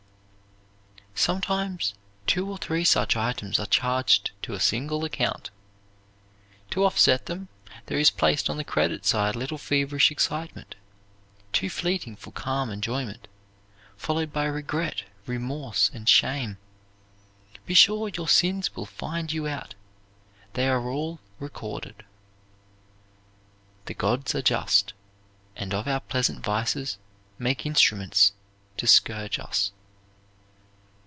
Sometimes two or three such items are charged to a single account. To offset them, there is placed on the credit side a little feverish excitement, too fleeting for calm enjoyment, followed by regret, remorse, and shame. Be sure your sins will find you out. They are all recorded. "The gods are just, and of our pleasant vices Make instruments to scourge us."